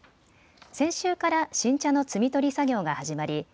先週から新茶の摘み取り作業が始まり